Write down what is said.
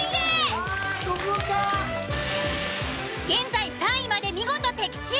現在３位まで見事的中。